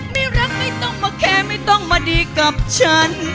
ไม่รักไม่ต้องมาแคร์ไม่ต้องมาดีกับฉัน